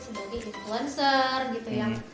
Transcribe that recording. sebagai influencer gitu ya